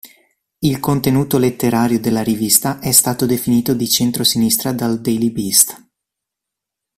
Il contenuto letterario della rivista è stato definito di "centro-sinistra" dal "Daily Beast".